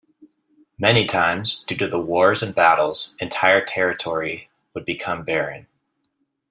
Many times due to the wars and battles, entire territory would become barren.